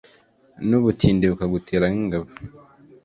n’ubutindi bukagutera nk’ingabo